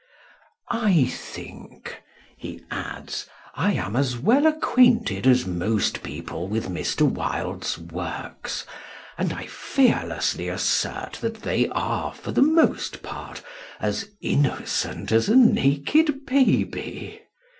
"I think," he adds, "I am as well acquainted as most people with Mr. Wilde's works, and I fearlessly assert that they are, for the most part, as innocent as a naked baby.